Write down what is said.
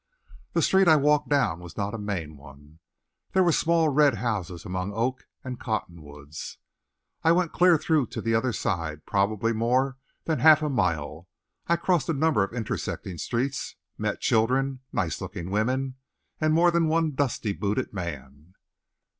The street I walked down was not a main one. There were small, red houses among oaks and cottonwoods. I went clear through to the other side, probably more than half a mile. I crossed a number of intersecting streets, met children, nice looking women, and more than one dusty booted man.